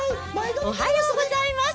おはようございます。